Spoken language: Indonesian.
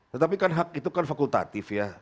tetapi kan hak itu kan fakultatif ya